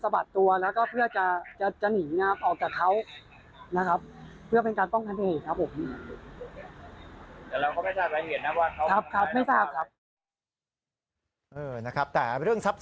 ได้ทราบครับ